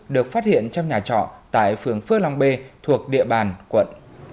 được phát hiện trong nhà trọ tại phường phước long b thuộc địa bàn quận